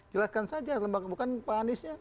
jelaskan saja lembaga bukan pak aniesnya